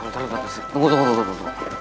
tunggu tunggu tunggu